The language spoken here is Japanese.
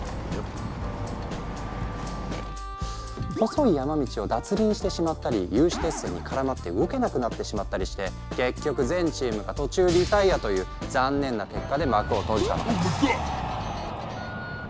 細い山道を脱輪してしまったり有刺鉄線に絡まって動けなくなってしまったりして結局全チームが途中リタイアという残念な結果で幕を閉じたの。